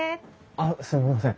あっすみません。